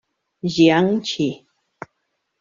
Jiangxi.